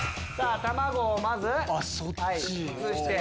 卵をまず移して。